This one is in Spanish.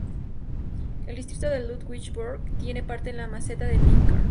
El Distrito de Ludwigsburg tiene parte en la meseta del Neckar.